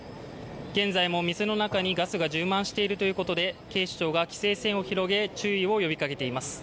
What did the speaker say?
現在も店の中にガスが充満しているということで警視庁が規制線を広げ注意を呼びかけています。